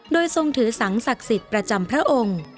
โดยทรงถือสังศักดิ์สิทธิ์ประจำพระองค์